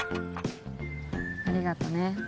ありがとね